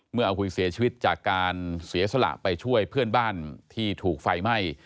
อาหุยเสียชีวิตจากการเสียสละไปช่วยเพื่อนบ้านที่ถูกไฟไหม้